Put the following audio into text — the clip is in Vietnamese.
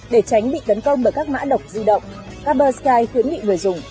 để tránh bị tấn công bởi các mã độc di động carbon sky khuyến nghị người dùng